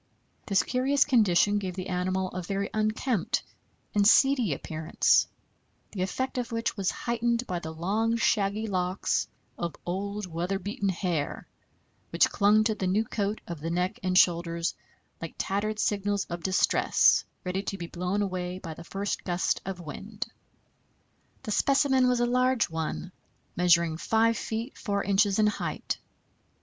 This curious condition gave the animal a very unkempt and "seedy" appearance, the effect of which was heightened by the long, shaggy locks of old, weather beaten hair which clung to the new coat of the neck and shoulders like tattered signals of distress, ready to be blown away by the first gust of wind. This specimen was a large one, measuring 5 feet 4 inches in height.